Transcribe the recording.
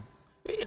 berapa itu harganya